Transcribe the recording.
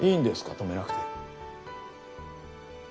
止めなくて。